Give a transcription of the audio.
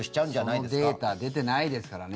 そのデータ出てないですからね。